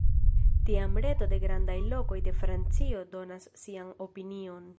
Tiam Reto de Grandaj Lokoj de Francio donas sian opinion.